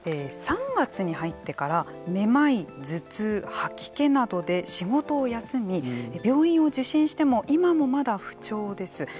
３月に入ってからめまい、頭痛吐き気などで仕事を休み病院を受診しても今もまだ不調です。